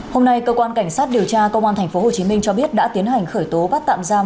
hôm nay cơ quan cảnh sát điều tra công an tp hcm cho biết đã tiến hành khởi tố bắt tạm giam